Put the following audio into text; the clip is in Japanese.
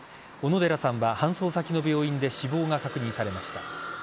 小野寺さんは搬送先の病院で死亡が確認されました。